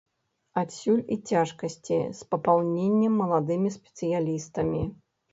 Адсюль і цяжкасці з папаўненнем маладымі спецыялістамі.